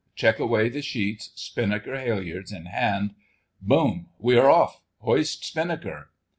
Check away the sheets. Spinnaker halliards in hand. Boom! We are off! Hoist spinnaker!